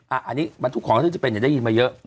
อันนี้มันทุกของเท่าที่จะเป็นอย่างที่ได้ยินมาเยอะ